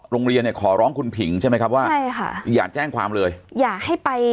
โรงเรียนเนี่ยขอร้องคุณผิงใช่ไหมครับว่าใช่ค่ะอย่าแจ้งความเลยอย่าให้ไป